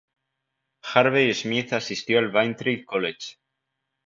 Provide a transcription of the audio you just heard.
Harvey-Smith asistió al Braintree College.